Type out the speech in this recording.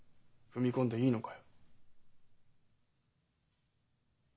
踏み込んでいいのか？